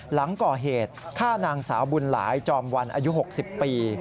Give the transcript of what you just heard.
หลังก่อเหตุฆ่านางสาวบุญหลายจอมวันอายุ๖๐ปี